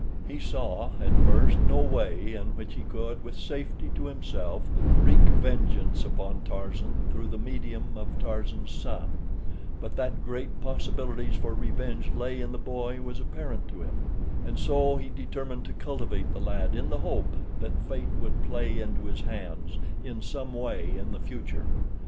He saw at first no way in which he could, with safety to himself, wreak vengeance upon Tarzan through the medium of Tarzan's son; but that great possibilities for revenge lay in the boy was apparent to him, and so he determined to cultivate the lad in the hope that fate would play into his hands in some way in the future.